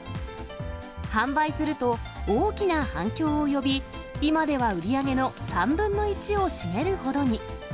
販売すると、大きな反響を呼び、今では売り上げの３分の１を占めるほどに。